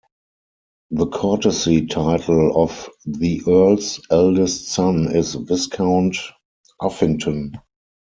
The courtesy title of the Earl's eldest son is Viscount Uffington.